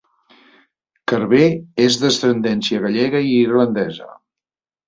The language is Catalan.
Carver és d'ascendència gallega i irlandesa.